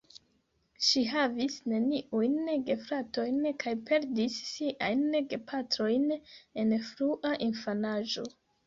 Ŝi havis neniujn gefratojn kaj perdis siajn gepatrojn en frua infanaĝo.